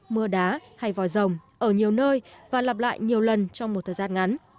mưa đá hay vòi rồng ở nhiều nơi và lặp lại nhiều lần trong một thời gian ngắn